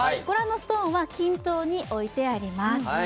御覧のストーンは均等に置いてあります。